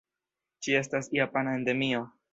Ĝi estas japana endemio.